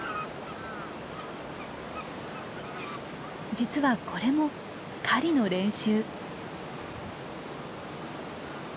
実はこれも狩りの練習。